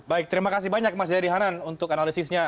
baik terima kasih banyak mas jayadi hanan untuk analisisnya